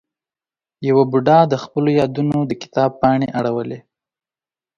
یوه بوډا د خپلو یادونو د کتاب پاڼې اړولې.